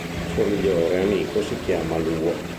Il suo migliore amico si chiama Luo.